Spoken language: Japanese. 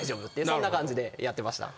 そんな感じでやってました。